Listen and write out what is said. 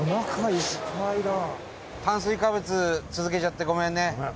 伊達：炭水化物続けちゃってごめんね。